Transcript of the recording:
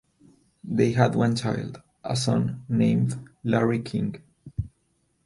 They had one child, a son named Larry King.